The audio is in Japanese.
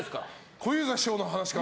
小遊三師匠の話かな。